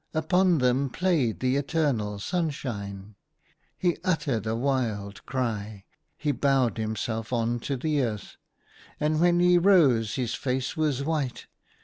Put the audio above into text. Upon them played the eternal sunshine. He uttered a wild cry. He bowed himself on to the earth, and when he rose his face was white.